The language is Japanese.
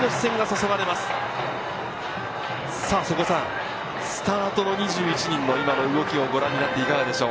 さぁ、瀬古さん、スタートの２１人の今の動きをご覧になっていかがでしょう？